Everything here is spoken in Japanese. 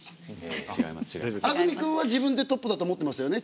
安住くんは自分でトップだと思ってますよね？